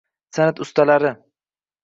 Sanʼat ustalari